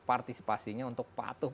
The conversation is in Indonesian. partisipasinya untuk patuh